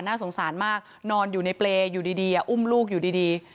น่าสงสารมากนอนอยู่ในเปรย์อยู่ดีอุ้มลูกอยู่ดี